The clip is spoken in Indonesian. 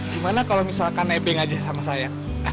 gimana kalau misalkan naving aja sama saya